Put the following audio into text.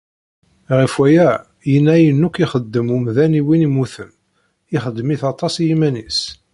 Ɣef waya, yenna ayen akk ixeddem umdan i win immuten, ixeddem-it aṭas i yiman-is.